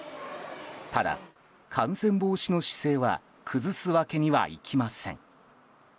ただ、感染防止の姿勢は崩すわけにはいきません。